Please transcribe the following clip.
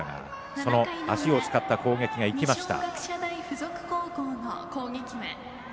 その足を使った攻撃が生きました。